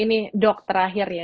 ini dokter terakhir ya